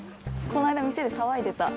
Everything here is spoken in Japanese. この間店で騒いでた。